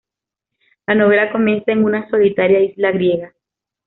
La novela comienza en una solitaria isla griega.